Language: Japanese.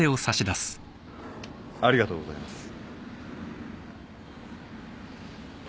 ありがとうございます。